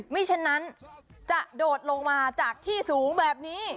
ฉะนั้นจะโดดลงมาจากที่สูงแบบนี้